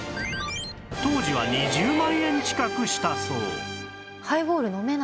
当時は２０万円近くしたそう